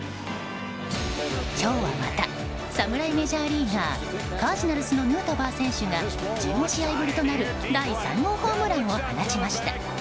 今日はまた侍メジャーリーガーカージナルスのヌートバー選手が１５試合ぶりとなる第３号ホームランを放ちました。